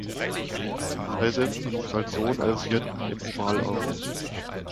Saizew wuchs als Sohn eines Hirten im Ural auf.